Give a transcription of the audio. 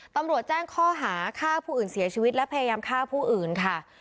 ตำรวจแจ้งข้อหาฆ่าผู้อื่นเสียชีวิตและพยายามฆ่าผู้อื่นค่ะ